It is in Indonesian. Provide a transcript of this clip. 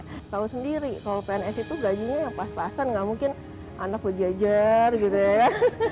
kalau sendiri kalau pnsi itu gajinya pas pasan nggak mungkin anak lagi ajar gitu ya